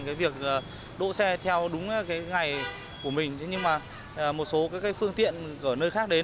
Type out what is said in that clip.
cái việc đỗ xe theo đúng cái ngày của mình nhưng mà một số cái phương tiện ở nơi khác đến